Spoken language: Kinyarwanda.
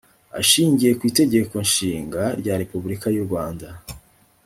ashingiye ku itegeko nshinga rya repubulika y u rwanda